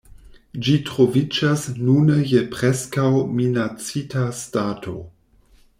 Ĝi troviĝas nune je preskaŭ-minacita stato.